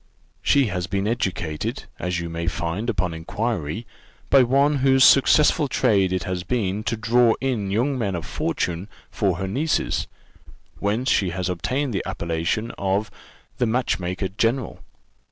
She has been educated, as you may find upon inquiry, by one, whose successful trade it has been to draw in young men of fortune for her nieces, whence she has obtained the appellation of the match maker general.